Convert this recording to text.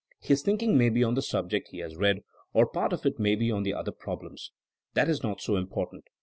His thinking may be on the subject he has read, or part of it may be on other prob lems. That is not so important.